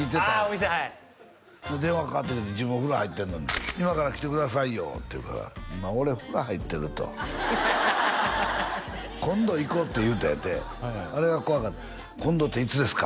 お店はい電話かかってきて自分お風呂入ってんのに「今から来てくださいよ」って言うから「今俺風呂入ってる」と「今度行こ」って言うたんやてあれが怖かった「今度っていつですか？」